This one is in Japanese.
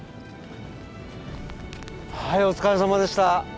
はいお疲れさまでした。